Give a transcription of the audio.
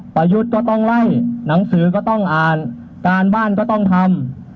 ประยุทธ์ก็ต้องไล่หนังสือก็ต้องอ่านการบ้านก็ต้องทำ